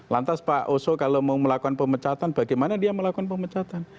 lantas pak oso kalau mau melakukan pemecatan bagaimana dia melakukan pemecatan